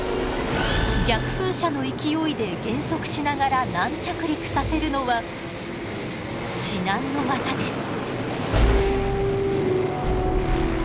逆噴射の勢いで減速しながら軟着陸させるのは至難の業です。